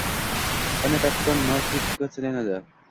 qanday tartibda nostrifikatsiyalanadi?